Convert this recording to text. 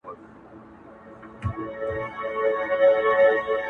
زه په دې خپل سركــي اوبـــه څـــښـمــه_